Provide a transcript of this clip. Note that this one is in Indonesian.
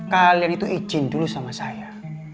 kalian itu izin dulu sama saya